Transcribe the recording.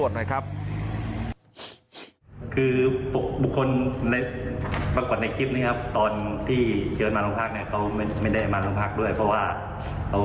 สวัสดีครับคุณผู้ชาย